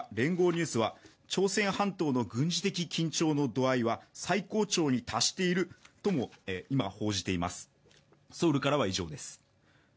ニュースは朝鮮半島の軍事的緊張度の度合いは最高潮に達しているとも、今、報じています。